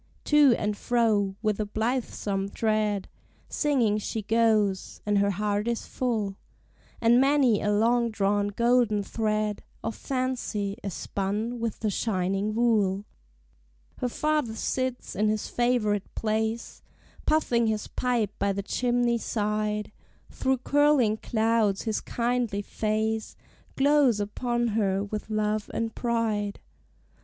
To and fro, with a blithesome tread, Singing she goes, and her heart is full, And many a long drawn golden thread Of fancy is spun with the shining wool. Her father sits in his favorite place, Puffing his pipe by the chimney side; Through curling clouds his kindly face Glows upon her with love and pride.